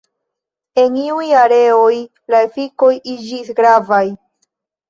En iuj areoj la efikoj iĝis gravaj.